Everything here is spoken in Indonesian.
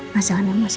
mas jangan ya mas